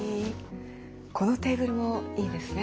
このテーブルもいいですね。